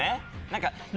何か。